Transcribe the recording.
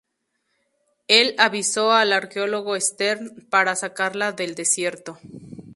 Él avisó al arqueólogo Stern para sacarla del desierto.